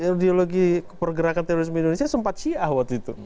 kemudian ideologi pergerakan terorisme indonesia sempat siawot itu